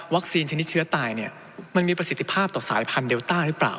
ว่าวัคซีนชนิดเชื้อตายมันมีประสิทธิภาพต่อสายพันเดลต้ารึเปล่า